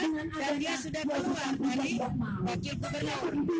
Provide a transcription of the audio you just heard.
dan dia sudah keluar dari wakil gubernur